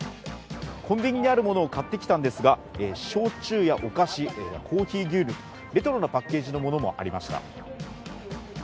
コンビニにあるものを買ってきたんですが、焼酎やお菓子、コーヒー牛乳、レトロなパッケージのものもありました。